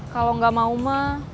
kalau enggak mau mah